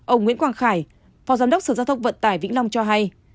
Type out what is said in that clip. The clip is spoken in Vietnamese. ông nguyễn quang khải phó giám đốc sở giao thông vận tải vĩnh long cho hay